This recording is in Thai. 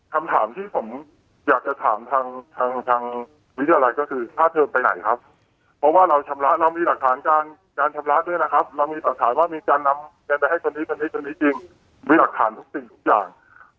คำถามที่ผมอยากถามทางวิทยาลัยก็คือค่าเทิมไปไหนครับเพราะว่าเรามีหลักฐานการชำระด้วยนะครับมามีปราศาสตร์ว่ามีจาร์นำเข้าไปให้ตอนนี้ตอนนี้จริงมีหลักฐานทุกอย่าง